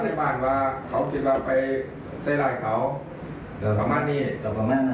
ไม่ได้ยิงตอนที่เขารักตอนเกิดเหนียวตอนยิง